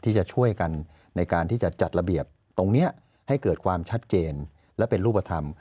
ที่จะช่วยกันในการที่จะจัดระเบียบตรงนี้ให้เกิดความชัดเจนและเป็นรูปธรรม